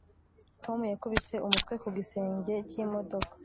Tom yakubise umutwe ku gisenge cyimodoka